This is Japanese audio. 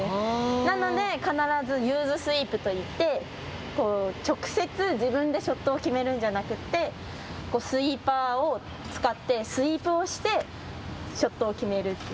なので必ずユーズ・スイープといって直接自分でショットを決めるんじゃなくてスイーパーを使ってスイープをしてショットを決めるという。